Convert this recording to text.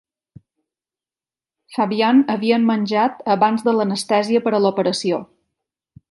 Fabian havia menjat abans de l'anestèsia per a l'operació.